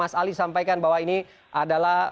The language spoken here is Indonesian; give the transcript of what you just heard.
mas ali sampaikan bahwa ini adalah